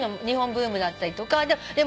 日本ブームだったりとか。